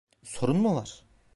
Sorun mu var?